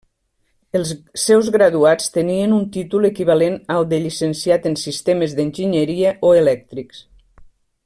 Els seus graduats tenien un títol equivalent al de Llicenciat en Sistemes d'Enginyeria o Elèctrics.